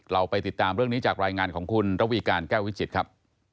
เราไปติดตามเรื่องนี้จากรายงานของคุณระวีการแก้ววิจิตรครับ